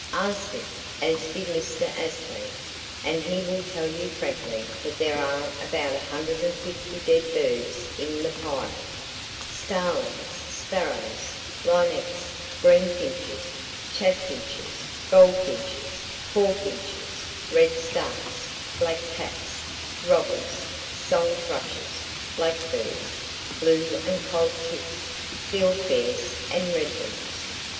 Ask him, as did Mr. Astley, and he will tell you frankly that there are about 150 dead birds in the pile,—starlings, sparrows, linnets, greenfinches, chaffinches, goldfinches, hawfinches, redstarts, blackcaps, robins, song thrushes, blackbirds, blue and coal tits, fieldfares and redwings.